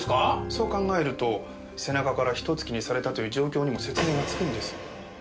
そう考えると背中から一突きにされたという状況にも説明がつくんです。